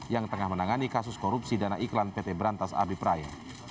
yang tengah menangani kasus korupsi dana iklan pt berantas abipraya